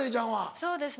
そうですね